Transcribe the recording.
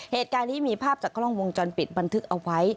เหตุการณ์นี้มีภาพจากกล้องวงจรปิดบันทึกเอาไว้